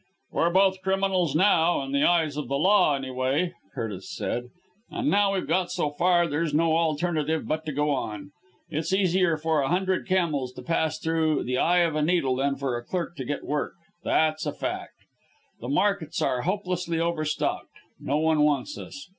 "We're both criminals now in the eyes of the law anyway!" Curtis said. "And now we've got so far there's no alternative but to go on! It's easier for a hundred camels to pass through the eye of a needle than for a clerk to get work, that's a fact. The markets are hopelessly overstocked no one wants us!